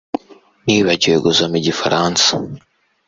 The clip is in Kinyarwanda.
Nibagiwe gusoma igifaransa